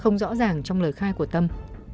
không rõ ràng trong lời khai của tâm